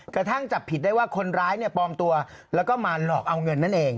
กระทั่งจับผิดได้ว่าคนร้ายเนี่ยปลอมตัวแล้วก็มาหลอกเอาเงินนั่นเอง